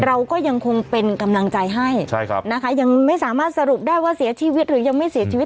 เราก็ยังคงเป็นกำลังใจให้ใช่ครับนะคะยังไม่สามารถสรุปได้ว่าเสียชีวิตหรือยังไม่เสียชีวิต